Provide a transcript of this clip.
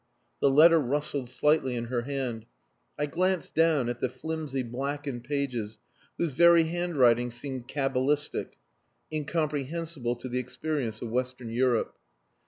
The letter rustled slightly in her hand. I glanced down at the flimsy blackened pages whose very handwriting seemed cabalistic, incomprehensible to the experience of Western Europe.